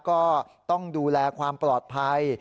ก็ต้องดูแลความปลอดภัย